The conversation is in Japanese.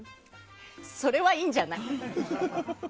それは、いいんじゃない？